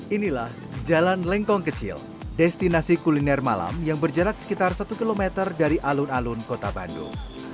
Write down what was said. inilah jalan lengkong kecil destinasi kuliner malam yang berjarak sekitar satu km dari alun alun kota bandung